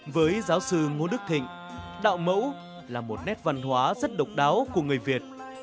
với giáo sư ngô đức thịnh đạo mẫu là một nét văn hóa rất độc đáo của người việt